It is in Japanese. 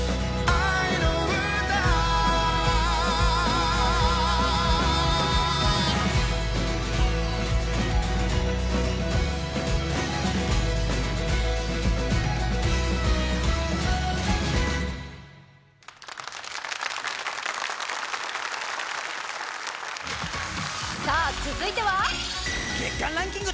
愛の歌さあ続いては月間ランキング